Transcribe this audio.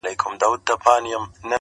د مالوماتو نشتون او د هڅو نه کول دي